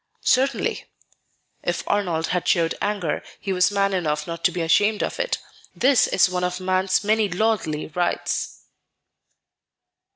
"Certainly." If Arnold had showed anger, he was man enough not to be ashamed of it; this is one of man's many lordly rights.